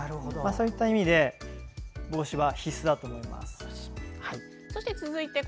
そういった意味で帽子は必須だと思います。